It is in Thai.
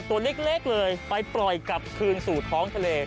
ตัวเล็กเลยไปปล่อยกลับคืนสู่ท้องทะเล